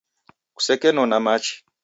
Kusekenona machi .